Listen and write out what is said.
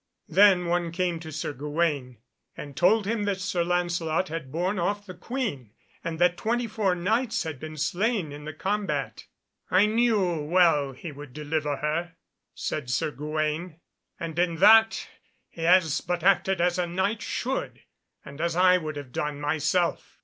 Then one came to Sir Gawaine and told him that Sir Lancelot had borne off the Queen, and that twenty four Knights had been slain in the combat. "I knew well he would deliver her," said Sir Gawaine, "and in that, he has but acted as a Knight should and as I would have done myself.